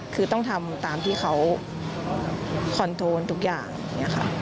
คือต้องทำตามที่เขาคอนโทรลทุกอย่างอย่างนี้ค่ะ